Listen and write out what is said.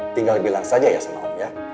tinggal bilang saja ya sama om ya